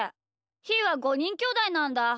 ひーは５にんきょうだいなんだ。